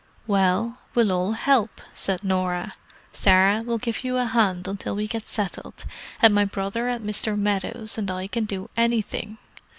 "Well, we'll all help," said Norah. "Sarah will give you a hand until we get settled, and my brother and Mr. Meadows and I can do anything.